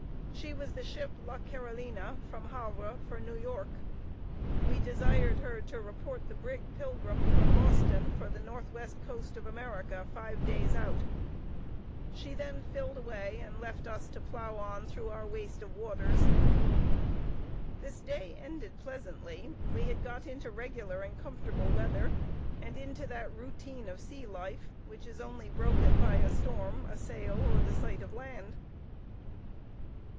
She was the ship La Carolina, from Havre, for New York. We desired her to report the brig Pilgrim, from Boston, for the northwest coast of America, five days out. She then filled away and left us to plough on through our waste of waters. This day ended pleasantly; we had got into regular and comfortable weather, and into that routine of sea life which is only broken by a storm, a sail, or the sight of land.